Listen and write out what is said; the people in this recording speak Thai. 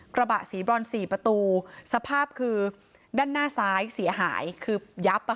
กระบะสีบรอนสี่ประตูสภาพคือด้านหน้าซ้ายเสียหายคือยับอ่ะ